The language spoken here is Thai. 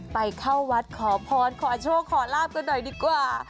ไปเข้าวัดขอพรขอโชคขอลาบกันหน่อยดีกว่า